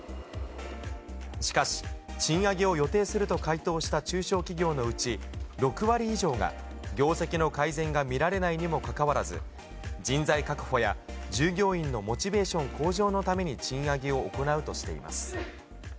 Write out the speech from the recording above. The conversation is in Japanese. しかし、賃上げを予定すると回答した中小企業のうち、６割以上が業績の改善が見られないにもかかわらず、人材確保や、従業員のモチベーション向上のために賃上げを行うとしています。